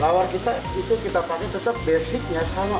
bahwa kita itu kita pakai tetap basicnya sama